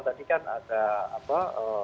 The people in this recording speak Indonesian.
tadi kan ada apa